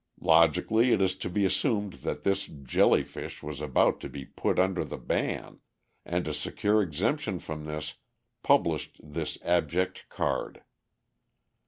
Logically it is to be assumed that this jelly fish was about to be put under the ban, and to secure exemption from this, published this abject card.